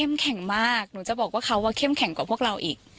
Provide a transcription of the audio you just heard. เพราะว่าเข้มแข็งกว่าพวกเราอีก